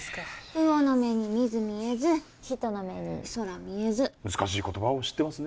魚の目に水見えず人の目に空見えず難しい言葉を知ってますね